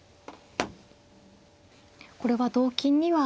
これは同金には。